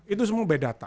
itu semua by data